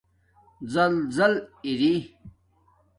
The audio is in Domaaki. زَل زل اری